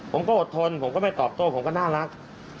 ผมก็อดทนผมก็ไม่ตอบโต้ผมก็น่ารัก